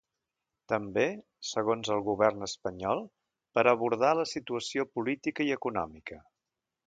També, segons el govern espanyol, per a abordar “la situació política i econòmica”.